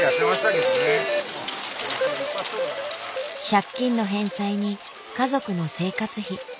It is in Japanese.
借金の返済に家族の生活費。